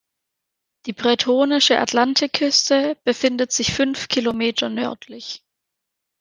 Die bretonische Atlantikküste befindet sich fünf Kilometer nördlich.